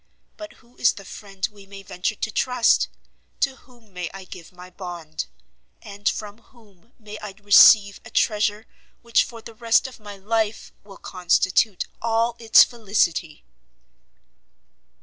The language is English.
But who is the friend we may venture to trust? To whom may I give my bond? And from whom may I receive a treasure which for the rest of my life will constitute all its felicity?"